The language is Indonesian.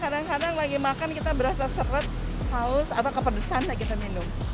kadang kadang lagi makan kita berasa seret haus atau kepedesan kayak kita minum